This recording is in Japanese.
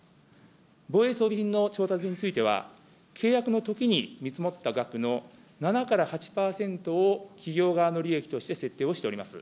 防衛装備品の調達については、契約のときに見積もった額の７から８％を企業側の利益として設定をしております。